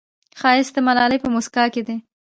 ښایست د ملالې په موسکا کې دی